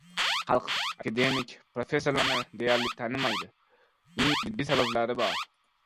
Xalq akademik, professorlarni deyarli tanimaydi. Buning jiddiy sabablari bor...